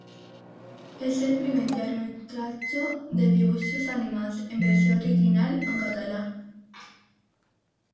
És el primer llargmetratge de dibuixos animats en versió original en català.